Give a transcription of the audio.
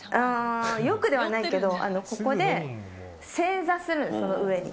よくではないけどここで正座するんです、この上に。